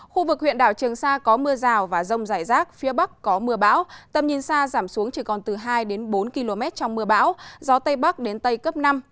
khu vực huyện đảo trường sa có mưa rào và rông rải rác phía bắc có mưa bão tầm nhìn xa giảm xuống chỉ còn từ hai bốn km trong mưa bão gió tây bắc đến tây cấp năm